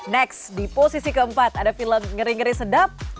next di posisi keempat ada film ngeri ngeri sedap